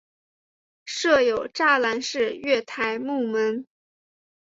设有栅栏式月台幕门。